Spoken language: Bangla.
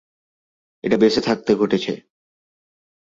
এটা বেসে থাকতে ঘটেছে।